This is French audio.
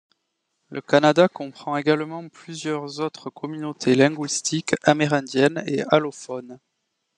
Le Canada comprend également plusieurs autres communautés linguistiques amérindiennes et allophones.